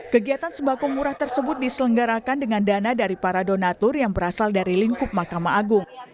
kegiatan sembako murah tersebut diselenggarakan dengan dana dari para donatur yang berasal dari lingkup mahkamah agung